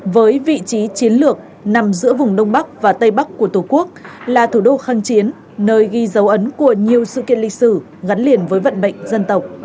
với vị trí chiến lược nằm giữa vùng đông bắc và tây bắc của tổ quốc là thủ đô kháng chiến nơi ghi dấu ấn của nhiều sự kiện lịch sử gắn liền với vận mệnh dân tộc